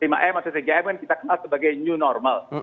lima m atau tiga m yang kita kenal sebagai new normal